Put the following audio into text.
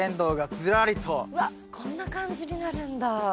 わっこんな感じになるんだ。